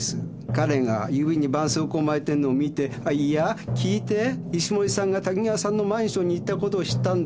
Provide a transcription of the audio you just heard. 彼が指に絆創膏巻いてんのを見ていや聞いて石森さんが滝川さんのマンションに行ったことを知ったんです。